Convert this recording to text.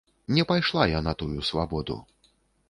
Не пайшла я на тую свабоду.